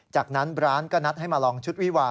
จากนั้นร้านก็นัดให้มาลองชุดวิวา